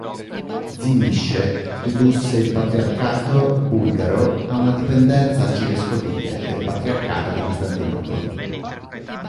Zimisce ridusse il patriarcato bulgaro a una dipendenza arcivescovile del Patriarcato di Costantinopoli.